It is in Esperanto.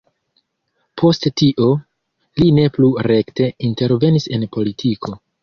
Post tio, li ne plu rekte intervenis en politiko.